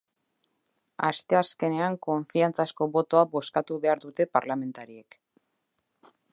Asteazkenean konfiantzazko botoa bozkatu behar dute parlamentariek.